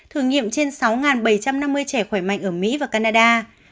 thử nghiệm trên sáu bảy trăm năm mươi trẻ khỏe mạnh ở mỹ và canada